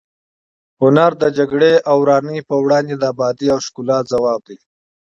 هنر د جګړې او ورانۍ پر وړاندې د ابادۍ او ښکلا ځواب دی.